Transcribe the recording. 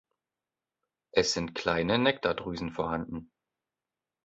Es sind kleine Nektardrüsen vorhanden.